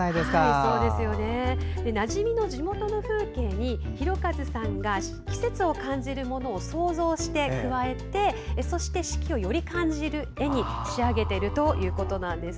なじみの地元の風景に大和さんが季節を感じるものを想像して加えてそして四季をより感じる絵に仕上げているということです。